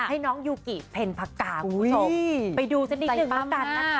ให้น้องยูกิเพ็ญผักกาคุณผู้ชมอุ้ยไปดูสินิทหนึ่งใจปั๊มมาก